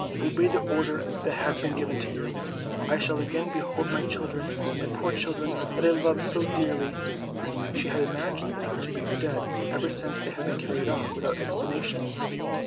"Obey the order that has been given to you. I shall again behold my children, my poor children, that I loved so dearly." She had imagined them to be dead ever since they had been carried off without explanation.